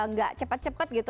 nggak cepat cepat gitu